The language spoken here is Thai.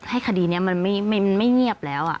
คดีนี้มันไม่เงียบแล้ว